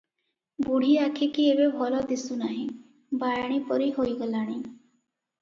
ବୁଢ଼ୀ ଆଖିକି ଏବେ ଭଲ ଦିଶୁ ନାହିଁ; ବାୟାଣୀ ପରି ହୋଇଗଲାଣି ।